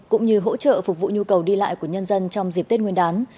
cũng như hỗ trợ phục vụ nhu cầu đi lại của nhân dân trong dịp tết nguyên đán